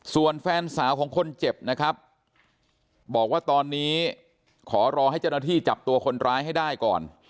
ส่วนแฟนสาวของคนเจ็บนะครับบอกว่าตอนนี้ขอรอให้เจ้าหน้าที่จับตัวคนร้ายให้ได้ก่อน